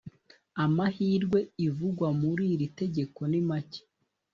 amahirwe ivugwa muri iri tegeko nimake